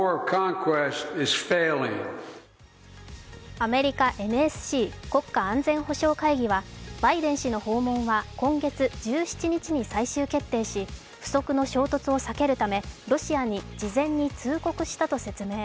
アメリカＮＳＣ＝国家安全保障会議はバイデン氏の訪問は今月１７日に最終決定し、不測の衝突を避けるためロシアに事前に通告したと説明。